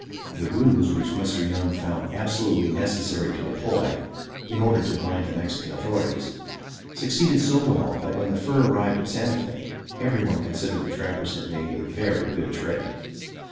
The ruse which Mr. Young found absolutely necessary to employ, in order to blind the Mexican authorities, succeeded so well, that when the fur arrived at Santa Fe, every one considered the trappers had made a very good trade.